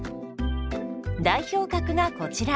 代表格がこちら。